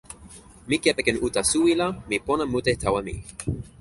mi kepeken uta suwi la mi pona mute tawa mi.